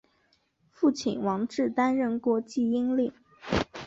父亲王志担任过济阴令。